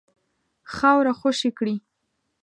خاوره خوشي کړي.